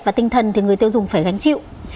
và tinh thần thì người tiêu dùng phải gánh chịu